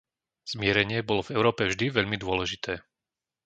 Zmierenie bolo v Európe vždy veľmi dôležité.